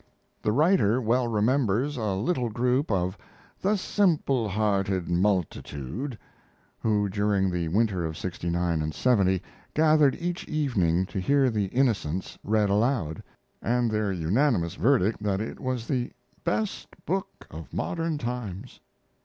The writer well remembers a little group of "the simple hearted multitude" who during the winter of '69 and '70 gathered each evening to hear the Innocents read aloud, and their unanimous verdict that it was the "best book of modern times."